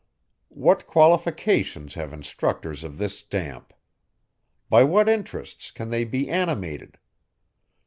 What qualifications have instructors of this stamp! By what interests can they be animated?